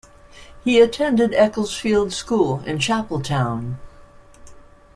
He attended Ecclesfield School, in Chapeltown.